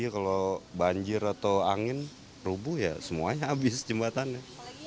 kalau banjir atau angin rubuh ya semuanya habis jembatannya